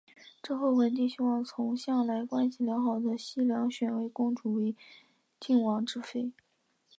之后文帝希望从向来关系良好的西梁选位公主为晋王之妃。